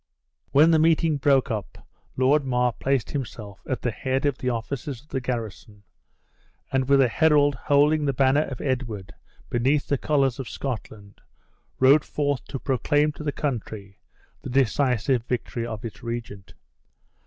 When the meeting broke up, Lord Mar placed himself at the head of the officers of the garrison, and with a herald holding the banner of Edward beneath the colors of Scotland, rode forth to proclaim to the country the decisive victory of its regent.